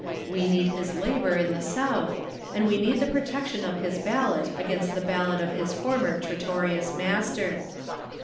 We need his labor in the South and we need the protection of his ballot against the ballot of his former traitorous master.